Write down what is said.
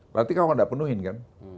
berarti kamu nggak penuhin kan